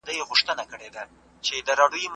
دا د سوداګرۍ تر ټولو مهمه برخه ده.